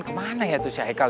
kemana ya tuh si haikal ya